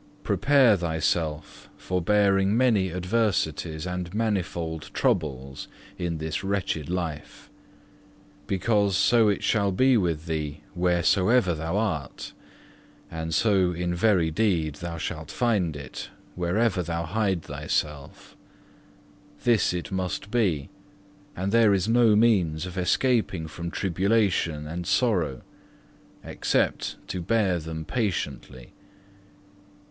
Prepare thyself for the bearing many adversities and manifold troubles in this wretched life; because so it shall be with thee wheresoever thou art, and so in very deed thou shalt find it, wherever thou hide thyself. This it must be; and there is no means of escaping from tribulation and sorrow, except to bear them patiently.